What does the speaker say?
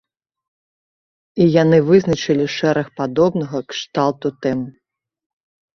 І яны вызначылі шэраг падобнага кшталту тэм.